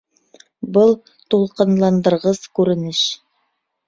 Был тулҡынландырғыс күренеш